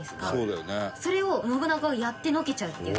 それを信長はやってのけちゃうっていう。